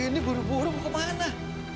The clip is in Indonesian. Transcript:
bu indi buru buru mau ke mana